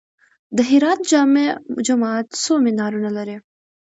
د هرات جامع جومات څو منارونه لري؟